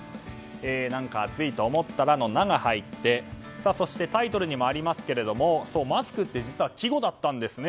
何か暑いの「ナ」が入ってそして、タイトルにもありますがマスクって実は季語だったんですね。